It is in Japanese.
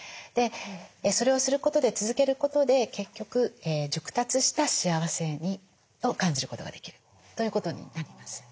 でそれをすることで続けることで結局熟達した幸せを感じることができるということになります。